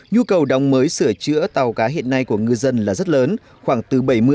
nhu cầu đóng mới sửa chữa tàu cá hiện nay của ngư dân là rất lớn khoảng từ bảy mươi